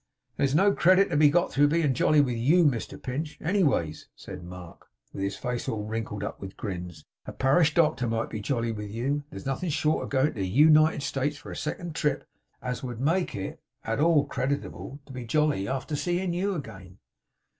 'There's no credit to be got through being jolly with YOU, Mr Pinch, anyways,' said Mark, with his face all wrinkled up with grins. 'A parish doctor might be jolly with you. There's nothing short of goin' to the U nited States for a second trip, as would make it at all creditable to be jolly, arter seein' you again!